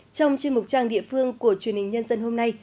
trong chuyên mục trang địa phương của truyền hình nhân dân hôm nay